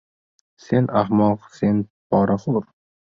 — Sen ahmoq! Sen poraxo‘r!